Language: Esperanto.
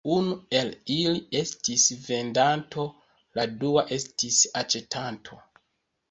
Unu el ili estis vendanto, la dua estis aĉetanto.